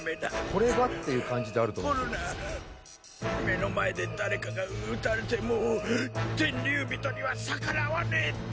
目の前で誰かが撃たれても天竜人には逆らわねえって約束しただろ。